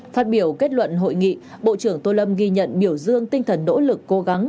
phát biểu kết luận hội nghị bộ trưởng tô lâm ghi nhận biểu dương tinh thần nỗ lực cố gắng